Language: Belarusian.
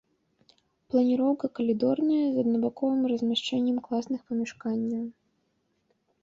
Планіроўка калідорная з аднабаковым размяшчэннем класных памяшканняў.